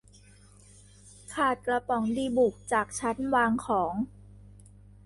ขาดกระป๋องดีบุกจากชั้นวางของ